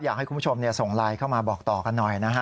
อยากให้คุณผู้ชมส่งไลน์เข้ามาบอกต่อกันหน่อยนะฮะ